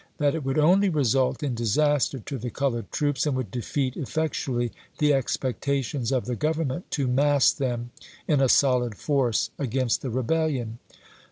That it would only result in disaster to the colored troops, and would defeat effectually the expecta tions of the Government to mass them in a solid force against the rebellion.